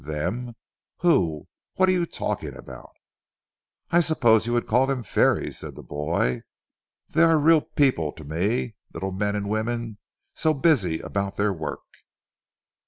"Them? Who? What are you talking about?" "I suppose you would call them fairies," said the boy, "they are real people to me. Little men and women, so busy about their work."